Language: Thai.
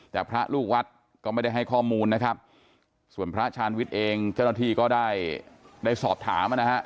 แต่พระลูกวัดก็ไม่ได้ให้ข้อมูลนะครับส่วนพระชาญวิทย์เองเจ้าหน้าที่ก็ได้ได้สอบถามนะฮะ